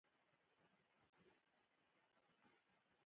له دې خبرو داسې اخیستنه کولای شو.